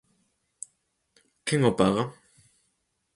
¿Quen o paga?